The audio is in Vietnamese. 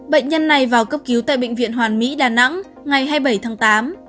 bệnh nhân này vào cấp cứu tại bệnh viện hoàn mỹ đà nẵng ngày hai mươi bảy tháng tám